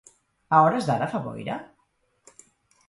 A hores d'ara, fa boira?